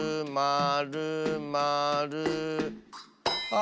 あ！